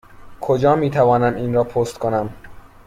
کجا می توانم این را پست کنم؟